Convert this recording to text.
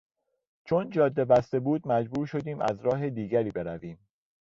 چون جاده بسته بود مجبور شدیم از راه دیگری برویم.